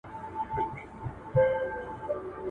بدن د فزیکي کارونو لپاره دی.